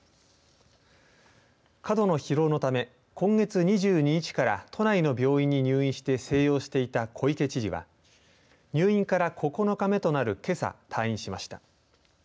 過度の疲労のため今月２２日から都内の病院に入院して静養していた小池知事は入院から９日目となる、けさ退院しました。